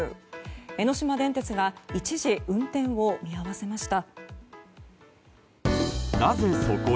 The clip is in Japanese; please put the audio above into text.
江ノ島電鉄が一時運転を見合わせました。